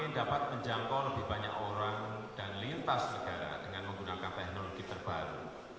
ini dapat menjangkau lebih banyak orang dan lintas negara dengan menggunakan teknologi terbaru